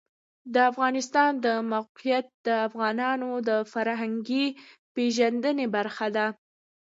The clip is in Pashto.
د افغانستان د موقعیت د افغانانو د فرهنګي پیژندنې برخه ده.